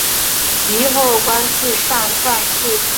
其后官至上士。